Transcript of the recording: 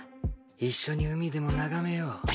一緒に海でも眺めよう。